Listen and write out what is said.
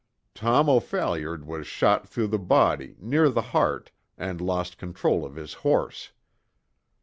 Tom O'Phalliard was shot through the body, near the heart, and lost control of his horse.